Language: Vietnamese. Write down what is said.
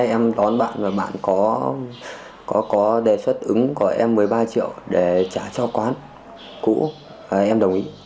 em đón bạn và bạn có đề xuất ứng của em một mươi ba triệu để trả cho quán cũ em đồng ý